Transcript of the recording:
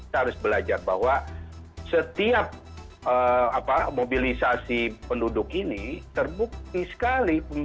kita harus belajar bahwa setiap mobilisasi penduduk ini terbukti sekali